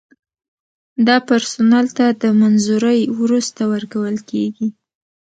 دا پرسونل ته د منظورۍ وروسته ورکول کیږي.